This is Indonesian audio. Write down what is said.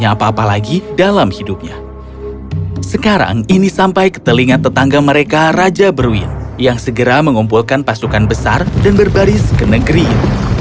yang segera mengumpulkan pasukan besar dan berbaris ke negeri itu